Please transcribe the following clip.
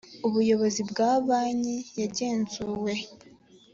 ubuyobozi bwa banki yagenzuwe